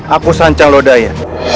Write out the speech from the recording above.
aku sancang lodaya